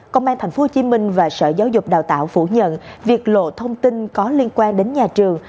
công an tp hcm và sở giáo dục đào tạo phủ nhận việc lộ thông tin có liên quan đến nhà trường